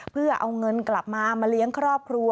เพื่อเอาเงินกลับมามาเลี้ยงครอบครัว